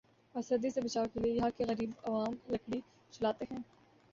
اور سردی سے بچائو کے لئے یہاں کے غریب عوام لکڑی جلاتے ہیں ۔